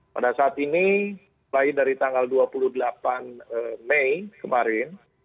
pada saat ini mulai dari tanggal dua puluh delapan mei kemarin